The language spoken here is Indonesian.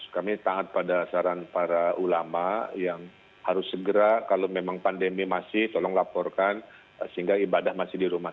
kami taat pada saran para ulama yang harus segera kalau memang pandemi masih tolong laporkan sehingga ibadah masih di rumah